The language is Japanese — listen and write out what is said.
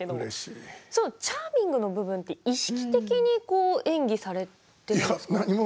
チャーミングの部分は意識的に演技されているんですか。